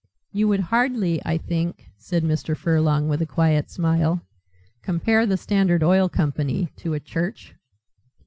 "You would hardly, I think," said Mr. Furlong, with a quiet smile, "compare the Standard Oil Company to a church?"